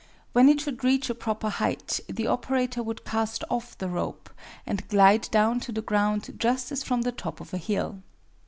When it should reach a proper height the operator would cast off the rope and glide down to the ground just as from the top of a hill.